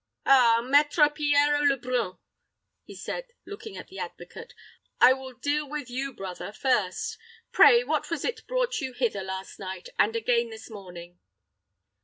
"Ah, Maître Pierrot le Brun," he said, looking at the advocate, "I will deal with you, brother, first. Pray what was it brought you hither last night, and again this morning?"